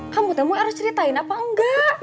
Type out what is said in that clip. kamu temui eros ceritain apa enggak